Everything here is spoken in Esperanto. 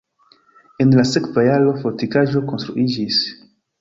En la sekva jaro fortikaĵo konstruiĝis.